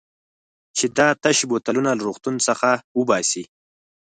چې دا تش بوتلونه له روغتون څخه وباسي.